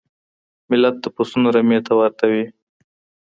ملت د پسونو رمې ته ورته وي.